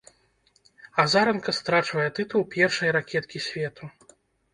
Азаранка страчвае тытул першай ракеткі свету.